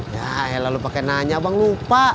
yaelah lo pake nanya abang lupa